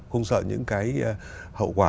không sợ những cái hậu quả